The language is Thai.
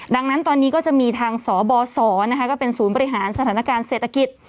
ดังนั้นตอนนี้ก็จะมีทางสบสก็เป็นศูนย์บริหารสถานการณ์เศรษฐกิจ